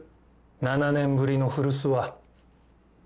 ７年ぶりの古巣は。